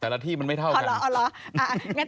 แต่ละที่มันไม่เท่ากัน